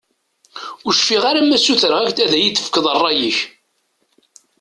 Ur cfiɣ ara ma ssutreɣ-ak-d ad iyi-d-tefkeḍ rray-ik.